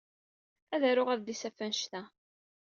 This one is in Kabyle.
Ad d-aruɣ adlis ɣef wanect-a.